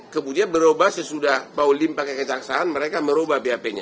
kemudian berubah sesudah paul lim pakai kejaksaan mereka merubah bap nya